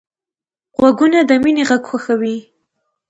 غوږونه د مینې غږ خوښوي